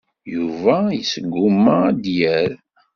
Yuba yesguma ad d-yerr.